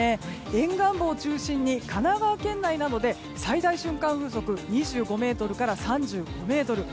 沿岸部を中心に神奈川県内などで最大瞬間風速２５メートルから３５メートル。